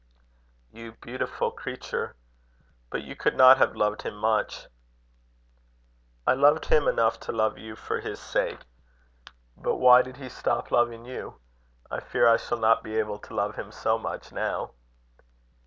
"You beautiful creature! But you could not have loved him much." "I loved him enough to love you for his sake. But why did he stop loving you? I fear I shall not be able to love him so much now."